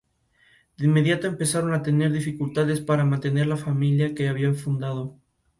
Sin embargo, firmó la mejor primera vuelta de liga de la historia del club.